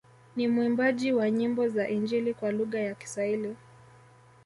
Ni mwimbaji wa nyimbo za injili kwa lugha ya Kiswahili